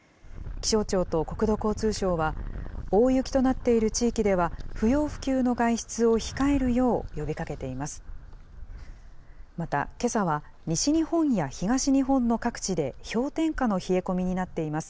気象庁と国土交通省は、大雪となっている地域では、不要不急の外出を控えるよう呼びかけています。